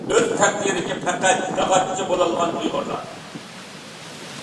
ئۆز تەقدىرىگە پەقەت ياغاچچى بولالىغان ئۇيغۇرلار.